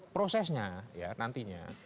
prosesnya ya nantinya